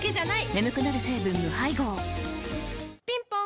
眠くなる成分無配合ぴんぽん